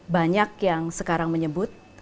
banyak yang sekarang menyebut